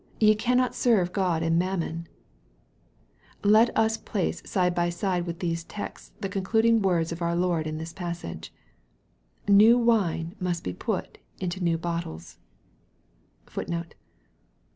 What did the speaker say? " Ye cannot serve God and mammon;' Let us place side by side with these texts the concluding words of OUT Lord in this* passage, " New wine must be put into new bottles/'* MAKE II.